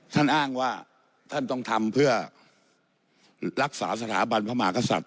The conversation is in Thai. ท่านอ้างว่าท่านต้องทำเพื่อรักษาสถาบันพระมหากษัตริย